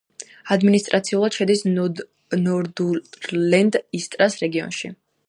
ადმინისტრაციულად შედის ნორდურლენდ ისტრას რეგიონში.